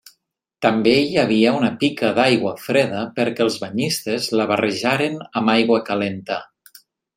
També hi havia una pica d'aigua freda perquè els banyistes la barrejaren amb aigua calenta.